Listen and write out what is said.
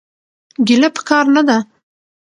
ګيله پکار نه ده.